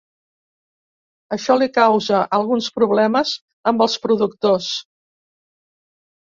Això li causà alguns problemes amb els productors.